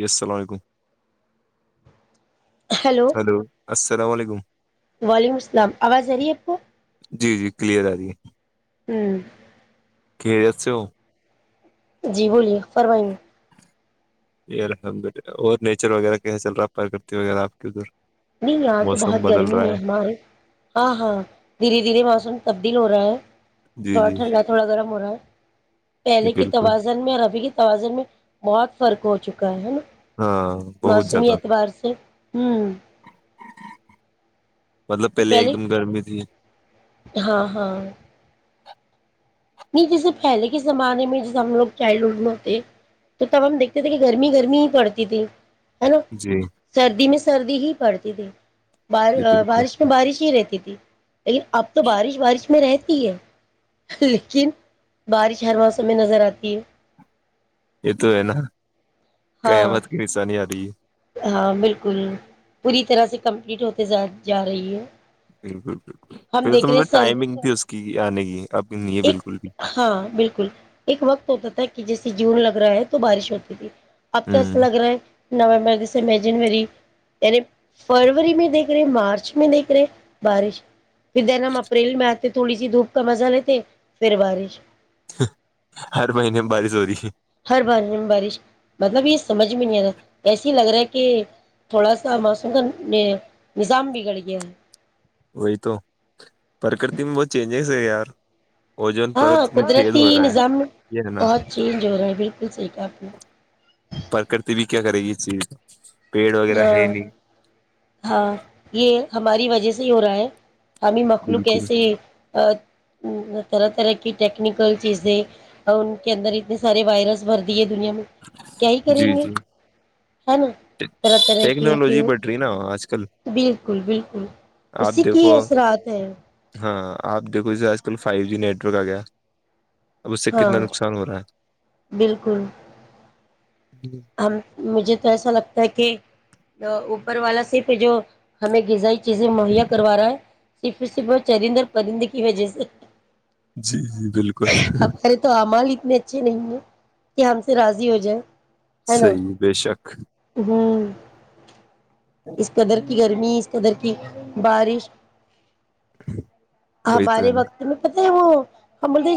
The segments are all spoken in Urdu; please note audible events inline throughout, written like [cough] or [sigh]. یس السلام علیکم ہیلو ہلو السلام علیکم وعلیکم السلام آواز آ رہی ہے آپ کو کلیر اگئی ہممم خیریت سے ہو جی بولیے فرمائیے یہ الحمد للہ اور نیچر وغیرہ کیسا چل رہا ہے پرکرتی وغیرہ آپ کے ادھر نہیں اں تو بہت موسم بدل گرمی رہا ہے ہمارے ہاں ہاں دھیرے دھیرے موسم تبدیل ہو رہا ہے جی تھوڑا جی ٹھنڈا جی تھوڑا گرم ہو رہا ہے پہلے کے بالکل توازن میں اور ابھی کے توازن میں بہت فرق ہو چکا ہے نا ہاں بہت موسمی زیادہ اعتبار سے ہوں مطلب ایک پہلے دم گرمی تھی ہاں ہاں نہیں جیسے پہلے کے زمانے میں جب ہم لوگ چائلڈ ہوڈ میں ہوتےے تو تب ہم دیکھتے تھے کہ گرمی گرمی ہی پڑتی تھی ہے نا جی سردی میں سردی ہی پڑتی جی ار جی بالکل بارش میں بارش ہی رہتی تھی لیکن اب تو بارش بارش میں رہ ٹھیک ہے لیکن بارش ہر موسم میں نظر آتی ہے یہ تو ہے نا ہاں قیامت کی نشانی ارہی ہے ہاں بالکل پوری طرح سے کمپلیٹ ہوتے جا رہی ہے بالکل بالکل ہم پھر تو دیکھ رہے مطلب سر ٹائمنگ تھی اس کی آنے کی اب نہیں ہے ایک بالکل بھی ہاں بالکل ایک وقت ہوتا تھا جیسے جون لگ رہا ہے تو بارش ہوتی تھی اب تو ہ ایسا لگ رہا ہے نویمبر دسمبر جنوری یعنی فروری میں دیکھ رہے مارچ میں دیکھ رہے بارش ودرم اپریل میں تھوڑی سی دھوپ کا مزہ لیتے پھر بارش ہر مہینے بارش ہو رہی ہے ہر بار بارش مطلب یہ سمجھ میں نہیں آ رہا ایسے ہی لگ رہا ہے کہ تھوڑا سا موسم کا نظام بگڑ گیا ہے وہی تو پرکرتی میں بہت چینجز ہے یار اوجون ہاں پرت میں چھید قدرتی ہو رہا ہے نظام یہ ہے نا بہت چینج ہو رہا ہے بالکل صحیح کہا آپ نے پرکرتی بھی [inaudible] ہے ہاں نہیں ہاں یہ ہماری وجہ سے ہی ہو رہا ہے ہمیں مخلوق بالکل کیسے ہی طرح طرح کی ٹیکنیکل چیزیں اور ان کے اندر اتنے سارے وائرس بھر دی ہے دنیا میں کیا ہی جی کریں گے جی ہے نا طرح طرح کی ان کی ٹیکنالوجی بڑھ رہی نا آج کل بالکل بالکل آپ اسی دیکھو کی اثرات ہے ہاں آپ دیکھو جے آج کل فائیو جی نیٹورک آ گیا اب اس سے کتنا ہاں نقصان ہو رہا ہے بالکل ہے ہم مجھے تو ایسا لگتا ہے کہ اوپر والا صرف جو ہمیں غذائی چیزیں مہیا کروا رہا ہے صف ص بہ چرند اور پرند کی وجہ سے جی جی بالکل انے اچھے نہیں ہیں کہ ہم سے راضی ہو جائے ہے نا صحیح بے شک اس قدر کی گھر می اس قدر کی بارش وہی تو ہے ہمارے نا وقت میں وہ ہم بولتے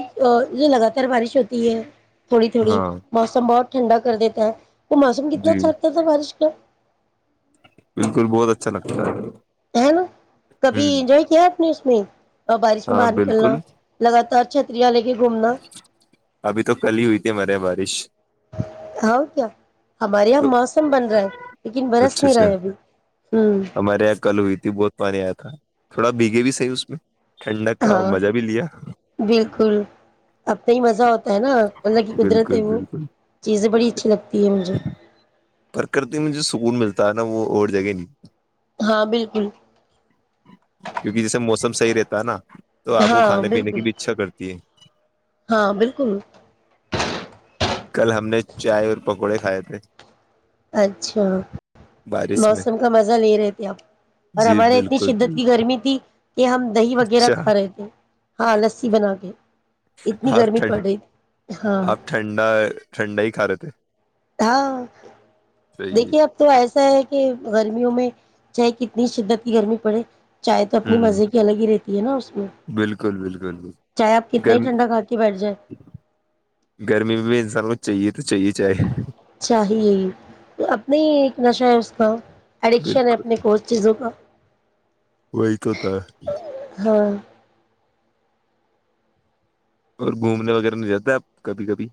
یہ لگاتار بارش ہوتی ہے تھوڑی تھوڑی ہاں موسم بہت ٹھنڈا کر دیتا ہے وہ موسم کتنا جی اچھاگتا تھا بارش [inaudible] بالکل بہت اچھا لگتا ہے ہے نا کبھی ہ انجوائے کیا [inaudible] اور بارش میں ہاں باہر بالکل نکلنا لگاتار چ ری [unintelligible] گھومنا ابھی تو کل ہی ہوئی تھی ہمارے یہاں بارش ہ کیا ہمارے یہاں تو موسم بن رہا ہے لیکن برس اچھا نہیں رہا اچھا ہے ابھی ہوں ہمارے یہاں کل ہوئی تھی بہت پانی آیا تھا تھوڑا بھیگے بھی صحیح اس میں ٹھنڈک کا ہاں مزہ بھی لیا اب تو ہی مزہ ہوتا ہے نا اللہ کی قدرت ہے بالکل وہ بالکل چیزیں بڑی اچھی لگتی ہے مجھے پرکرتی میں جو سکون ملتا ہے نا وہ اور جگہ نہیں ہاں بالکل کیونکہ جیسے موسم صحیح رہتا ہے نا تو آپ کو ہاں کھانے پینے بالکل کی بھی اچھا کرتی ہے ہاں بالکل کل ہم نے چائے اور پکوڑے کھائے تھے اچھا بارش میں موسم کا مزہ لے رہے تھے آپ اور جی ہمارے اتنی بالکل شدت کی بالکل گرمی تھی کہ ہم دہی وغیرہ اچھا کھا رہے تھے ہاں لسی بنا کے اتنی آپ گرمی ٹھنڈ پڑ رہی تھی ہاں ھنڈا ہی کا رہے تھ ہاں دیکھیے اب تو ایسا ہے کہ کہ گرمیوں میں چاہ کتنی شدت کی گرمی پڑے چاہے تو اپنی ہوں مزے کی الگ ہی رہتی یہ نا میں بالکل بالکلل چاہے آپ کتنا گر ہی ٹھنڈا کھا کے بیٹھ جائیں گرمی میں بھی انسان کو چاہے تو چاہیے چاہیے اپنے ہی ایک نشہ ہاں اڈکشن ہے بالکل اپنے کوت چیزوں کا وہی تو ہوتا ہے ہاں اور گھومنے وغیرہ نہیں رہتاپ کبھی کبھی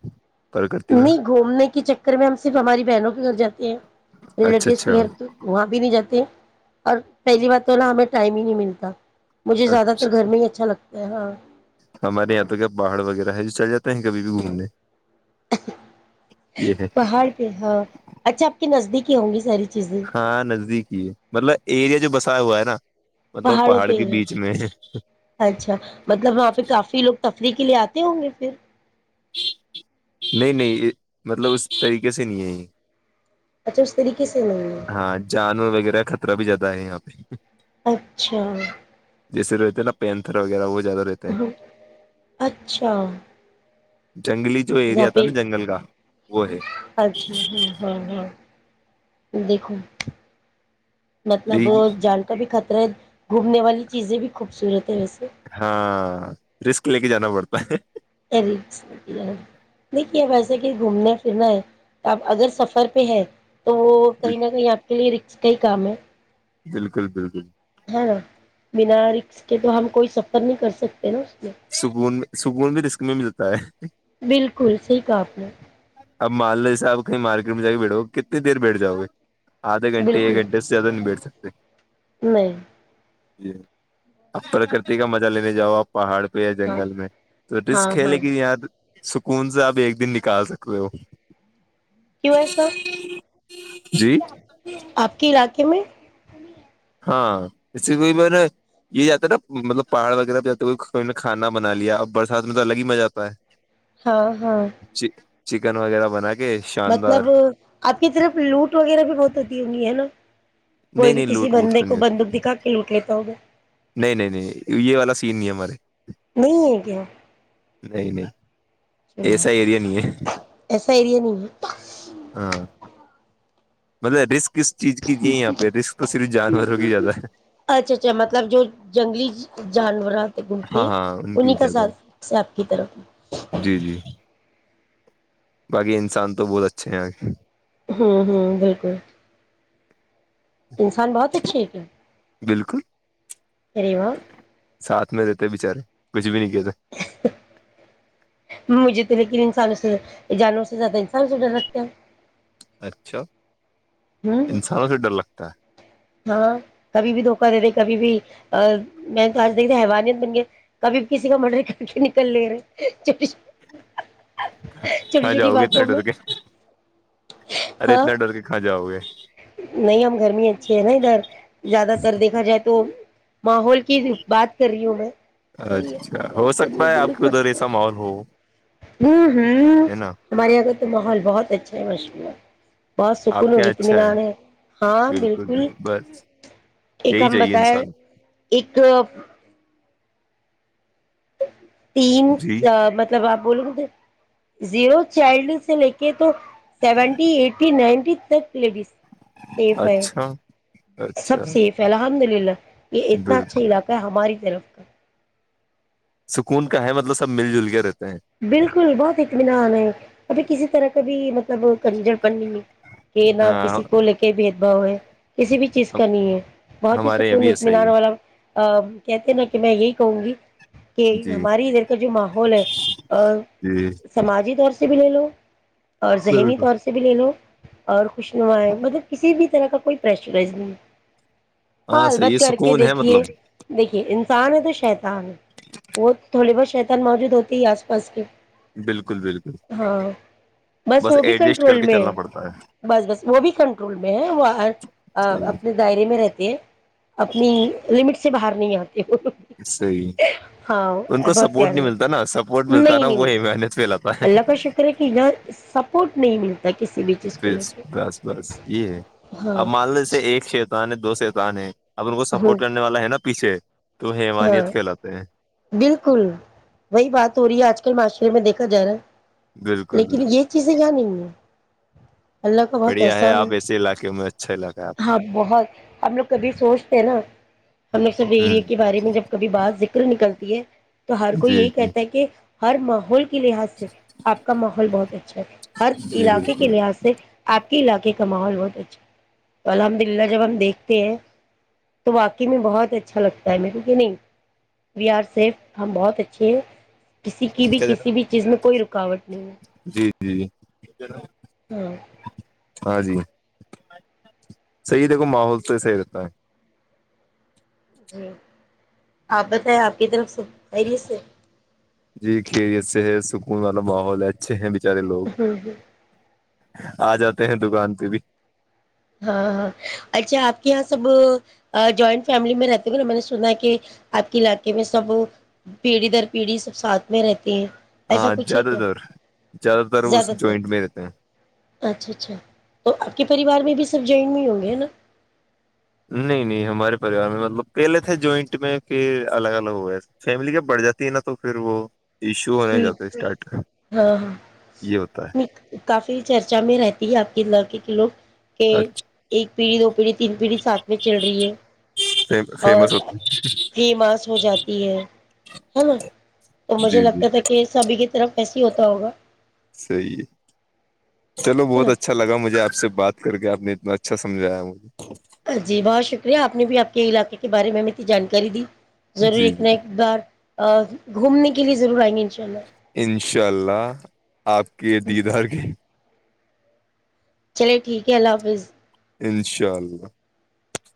پرکرتی میں نہیں گھومنے کے چکر میں ہم صرف ہماری بہنوں کے گھر جاتے ہیں اچھا ریلیٹیو کے اچھا گھر تو وہاں بھی نہیں جاتے ہیں اور پہلی بار تو ن ہمیں ٹائم ہی نہیں ملتا مجھے زیادہر اچھا گھر میں ہی اچھا لگتا یہاں ہمارے یہاں تو کیا پہاڑ وغیرہ ہے جو چل جاتے ہیں کبھی بھی گھومنے یہ ہے پہاڑ پہ ہاں اچھا آپ کے نزدیک ہوں گی ساری چیزیں ہاں نزدیک ج مطلب ایریا جو بسایا ہوا ہے نا مطلب پہاڑوں پہاڑ پہ کے ہے بیچ میں ہے اچھا مطلب وہاں پہ کافی لوگ تری ری کے لیے آتے ہوں گے پھر نہیں نہیں مطلب اس طریقے سے نہیں ہے اچھا اس طریقے سے نہیں ہاں جانور وغیرہ خطرہ بھی جاتا یہاں پہ اچھا جیسے رہتے نا پینتر وغیرہ وہ زیادہ رہتے ہیں اچھا جنگلی جو ایریا یہاں تھا پہ نا جنگل کا وہ ہے اچھا ہاں ہاں ہاں دیکھو مطلب وہ لیکن جان کا بھی ختم گھومنے والی چیزیں بھی خوبصورت ہے ویسے ہاں ہاں رسک لے کے جنا برتاتے دکھے ھایی کہ گھومنا پھرنا ہے تو آپ اگر سفر پہ ہے تو وہ کہیں نہ کہیں آپ کے لیے ر اس کا ہی کام ہے بالکل بالکل ہے نا بنا رکس کے تو ہم کوئی سفر نہیں کر سکتے نا میں سکون سکون بھی رسک میں ملتا ہے بالکل صحی کام نے اب مال لے سے آپ کہیں مارکیٹ میں جا کے بیٹھو گے کتنی دیر بیٹھ جاؤ گے آدھے گھنٹے ایک بالکل گھنٹے اسے زیادہ نہیں بیٹھ سکتے نہیں جی آپ پرکرتی کا مزہ لینے جاؤ آپ پہاڑ ہے ہاں جنگل میں تو ہاں رسک ہے ہاں لیکن یا سکون سے آپ ایک دن نکال سکتے ہو کیوں ایسا جی آپ کے علاقے میں ہاں اس سے کو میں نے یہ جاتا ہے نا مطلب پہاڑ وغیرہ پہ ج نے کھانا بنا لیا اور برسات میں تو الگ ہی مزہ آتا ہے ہاں ہاں چکن وغیرہ بنا کے شاندار مطلب آپ کی طرف لوٹ وغیرہ بھی بہت ہوتی ہونی ہے نا کوئی نہیں بھی نہیں کسی لوٹ ووٹ بندے تو کو نہیں ہوتی بندوق دکھا کے لوٹ لیتا ہوگا نہیں نہیں نہیں یہ والا سین نہیں ہمارے [unintelligible] نہیں ہے کیا نہیں نہیں ایسا ایریا نہیں ہے ایسا ایریا نہیں ہے ہاں مطے رسک کس چیز کی نہیں ہے یہاں پہ رسک تو صرف جانوروں کی زیادہ ہے اچھا اچھا مطلب جو جنگلی جانورات ںوتےے ہاں ہاں ان کی انہیں کا زیادہ ساتھ ہے آپ کی طرف جی جی باقی انسان تو بہت اچھے ہیں یہ کے ہاں ہاں بالکل انسان بہت اچھے ہے کہ بالکل ارے وا ساتھ میں رہتے بچارے کچھ بھی نہیں کیا مجھے تو لیکن انسانوں سے جانور سے زیادہ انسان سے ڈر رکھتا ہے اچھا ہوں انسانوں سے ڈر لگتا ہے ہاں کبھی بھی دھوکا دے رہے کبھی بھی میں تو آج دیکھ د حوانیت بن گئے کبھی بھی کسی کا مرڈر کر کے نکل لے رہے چ چھوٹی کہاں چھوٹی جاؤ گے اتنا باتوں میں ڈر کے ارے ہاں اتنا ڈر کے کاں جاؤ گے نہیں ہم گرمی اچھی ہے نا ادھر زیادہ تر دیکھا جائے تو ماحول کی بات کر رہی ہوں میں اچھا ہو سکتا ہے آپ کے ادھر ایسا ماحول ہو ہ ہ ہے نا ہمارے یہاں کا تو ماحول بہت اچھا ہے مشہورہ بہت آپ سکون کے اور یہاں اچھا اطمینار ہے ہاں بالکل ایک یہی ہم چاہیے بتائے انسان ایک تین کو۔ جی مطلب آپ بولو گےے زیرو چائلڈ سے لے کے تو سیونٹی ای نن لیڈیس سیف ہے اچھا سب اچھا سیف ہے الحمد للہ کل [inaudible] یہ اتنا بالکل اچھا علاقہ ہے ہماری طرف کا سکون کا ہے مطلب سب مل جل کے رہتے ہیں بالکل بہت اطمینان ہے ابھی کسی طرح کا بھی مطلب کنجڑ پن نہیں کہ نہ ہاں کسی کو لے کے بھی بو کسی بھی چیز ہم- کا نہیں ہے بہت ہی ہمارے یہاں سکون بھی ایسا ہی اطمینان ہے والا کہتے ہیں نا کہ میں یہی کہوں گی کہ جی ہماری ادھر کا جو ماحول ہے اور جی سماجی طور سے س بھی لے لو اور ذہنی بالکل طور سے بھی لے لو اور کچشنا ہے مطلب کسی بھی طرح کا کوئی پرشرز نہیں ہاں حال صحیح بت ہے کر کے سکون ہے دیکھیے مطلب دیکھیے انسان ہے تو شتان وہ تھوڑی بہت شیتان موجود ہوتی ہے آس پ بس کی بالکل بالکل [inaudible] ہاں بس وہ بھی ایڈجسٹ کر کنٹرول کے میں چلنا پڑتا ہے بس بس وہ بھی کنٹرول میں ہے وہ صحیح اپنے دائرے میں رہتے ہیں اپنی لمٹ سے باہر نہیں آتا صحیح ان کو بہت سپورٹ پیارا نہیں ملتا نا س نہیں نہیں نہیں اللہ کا شکر ہے کہ یہاں سپورٹ نہیں نہیںل بس بس بس یہ ہے ہاں اب مان لو جیسے ایک شیتان ہے دو شیتان ہے اب ان کو ہاں سپورٹ کرنے والا ہے نا پیھے ہاں بالکل وہی بات ہو رہی ہے آج کل معاش پھر میں دیکا جا رہا ہے بالکل لیکن بالکل یہ چیزیں نہیں ہیں اللہ کا بہت بڑھیا احسان ہے آپ ایسے علاقے میں اچھا علاقہ ہے آپ کا ہاں بہت ہم لوگ کبھی سوچتے ہیں نا ہم لوگ ہ سبری میں جب کبھی باہر کر نہیں نکلتی ہے تو ہر کوئی یہی جی جی کہتا ہے کہ ہر ماحول لحاظ سے آپ کا ماحول بہت اچھا ہے ہر جی علاقے کے بالکل لحاظ سے آپ کے علاقے کے کا ماحول بہت اچھا تو الحمد للہ جب ہم دیکھتے ہیں تو واقعی میں بہت اچھا لگتا نہیں وی آر سیف ہم بہت اچھے ہیں کسی کی بھی کیا جناب؟ کسی بھی چیز میں کوئی رکاوٹ نہیں ہے جی ج ہاں ہاں جی صحیح دیکھو ماحول تو صحیح رہتا ہے جی آپ بتیں آپ کی طرف سے خیریت جی خیریت سے ہے سکون والا ماحول اچھے ہیں ب زدے لوگ ہوں ہ آ جاتے ہیں دکان پہ بھی ہاں ہاں اچھا آپ کے یہاں سب جوائنٹ فیملی میں رہتے گ نا میں نے سنا ہے کہ آپ کے علاقے میں سب پیڑھی در پیڑھی سب ساتتھ میں رہتے ہیں ایسا ہاں کچھ ہے زیادہ کیا تر تر اس زیادہ تر جوائنٹ میں رہتے ہیں اچھا اچھا تو آپ کے پریوار میں بھی سرف جن میں ہی ہوں گے ہے نا نہیں نہیں ہمارے پریوار میں مطلب پہلے تھے جوائنٹ میں پھر الگ الگ ہوئے فیملی جب بڑھ جاتی ہے نا تو پھر وہ ایشو ج ہونے جاتا ہے اسٹارٹ ہاں ہاں یہ ہوتا کافی چرچا میں رہتی ہے آپ ک ل کے کلو کہ ہے ایک پیڑی ا پڑی [unintelligible] تین پیڑھی ساتھ میں چل رہی ہے [unintelligible] اچھا اور فیمس ہوتا ف ماس ہو جاتی ہے ہے نا تو ہے مجھے جی جی لگتا تھا کہ ساب طرف ایسے ہوتا ہوگا [unintelligible] صی ہے [unintelligible] چلو ہے بہت اچھا نا لگا مجھے آپ سے بات کر کے آپ میں اتنا اچھا سمجایا مجھے [unintelligible] جی بہت شکریہ آپ نے بھی آپ کے علاقے کے بارے میں مت جانکاری دی ضرور جی ایک ن جی ایک بار گھومنے کے لیے ضرور آئیں گے [unintelligible] انشاء اللہ آپ کے دیدار کی چلے ٹھیک ہے اللہ حافظ انشاء اللہ [unintelligible]